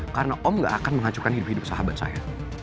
karena om gak akan menghancurkan hidup hidup sahabat saya